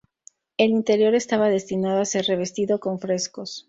El interior estaba destinado a ser revestido con frescos.